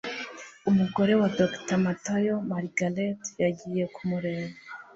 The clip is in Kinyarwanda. umugore wa dr matayo, margaret, yagiye kumureba